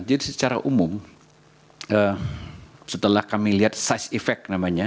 jadi secara umum setelah kami lihat size effect namanya